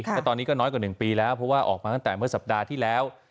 และตอนนี้ก็น้อยกว่า๑ปีแล้วเพราะว่าออกมาตั้งแต่เมื่อสัปดาห์ที่แล้ว